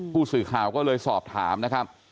ผู้สื่อข่าวก็เลยสอบถามนะครับ